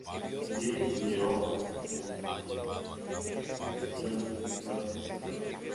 Su dieta incluye hojas, fruta inmadura, peciolos, brotes y flores.